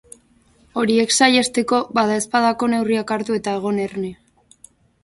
Horiek saihesteko, badaezpadako neurriak hartu eta egon erne.